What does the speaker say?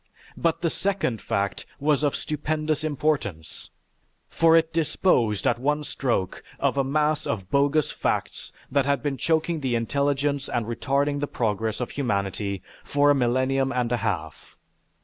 But, the second fact was of stupendous importance, for it disposed at one stroke of a mass of bogus facts that had been choking the intelligence and retarding the progress of humanity for a millennium and a half....